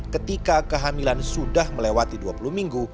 ketika kehamilan sudah melewati dua puluh minggu